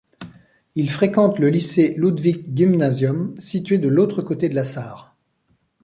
Il fréquente le lycée Ludwigsgymnasium, situé de l'autre côté de la Sarre.